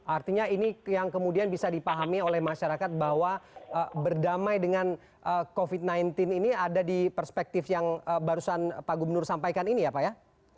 artinya ini yang kemudian bisa dipahami oleh masyarakat bahwa berdamai dengan covid sembilan belas ini ada di perspektif yang barusan pak gubernur sampaikan ini ya pak ya